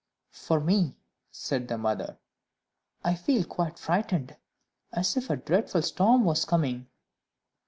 "For me," said the mother, "I feel quite frightened, as if a dreadful storm was coming."